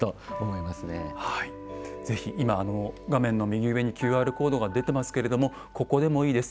是非今画面の右上にＱＲコードが出てますけれどもここでもいいです。